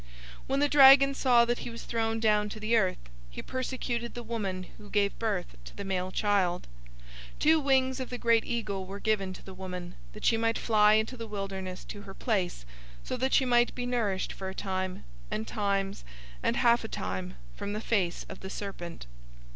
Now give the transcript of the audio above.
012:013 When the dragon saw that he was thrown down to the earth, he persecuted the woman who gave birth to the male child. 012:014 Two wings of the great eagle were given to the woman, that she might fly into the wilderness to her place, so that she might be nourished for a time, and times, and half a time, from the face of the serpent.